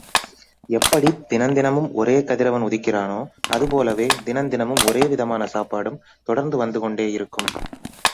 எப்படித் தினந்தினமும் ஒரே கதிரவன் உதிக்கிறானோ, அது போலவே தினந்தினமும் ஒரேவிதமான சாப்பாடும் தொடர்ந்து வந்து கொண்டேயிருக்கும்!